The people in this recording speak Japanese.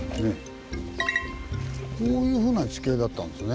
こういうふうな地形だったんですね。